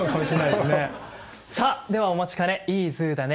ではお待ちかね「いいＺＯＯだね。